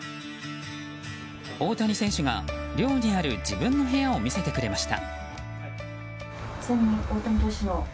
大谷選手が寮にある自分の部屋を見せてくれました。